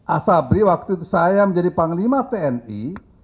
asabri waktu itu saya menjadi panglima tni